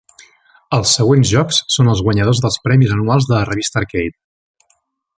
Els següents jocs són els guanyadors dels premis anuals de la revista Arcade.